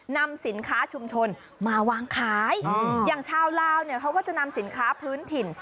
นำสินค้าชุมชนมาวางขายอย่างชาวลาวเนี่ยเขาก็จะนำสินค้าพื้นถิ่น